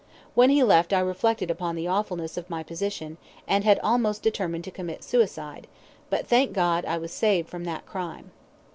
When he left I reflected upon the awfulness of my position, and I had almost determined to commit suicide, but, thank God, I was saved from that crime.